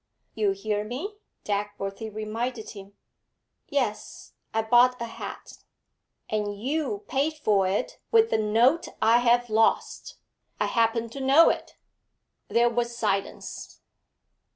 'You hear me?' Dagworthy reminded him. 'Yes. I bought a hat.' 'And you paid for it with the note I have lost. I happen to know it.' There was silence.